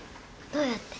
どうやって？